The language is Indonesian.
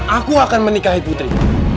aku akan menikahi putri